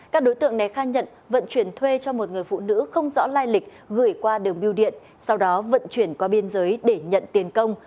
các đối tượng này khai nhận vận chuyển thuê cho một người phụ nữ không rõ lai lịch gửi qua đường biêu điện sau đó vận chuyển qua biên giới để nhận tiền công